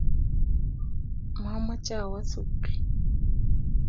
Mamoche awo sugul.